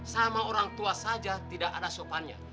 sama orang tua saja tidak ada sopannya